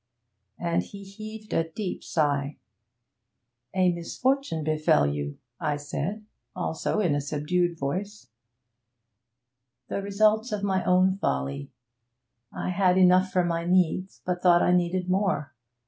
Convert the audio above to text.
And he heaved a deep sigh. 'A misfortune befell you,' I said, also in a subdued voice. 'The result of my own folly. I had enough for my needs, but thought I needed more.